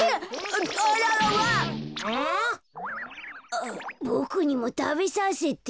あボクにもたべさせて。